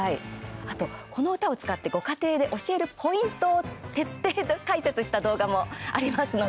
あと、この歌を使ってご家庭で教えるポイントを徹底解説した動画もありますので。